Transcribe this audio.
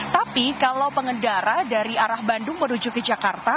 tapi kalau pengendara dari arah bandung menuju ke jakarta